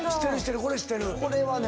これはね